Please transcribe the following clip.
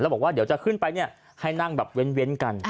บอกว่าเดี๋ยวจะขึ้นไปให้นั่งแบบเว้นกัน